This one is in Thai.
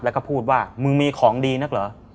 แล้วก็พูดว่ามึงมีของดีนักเหรอ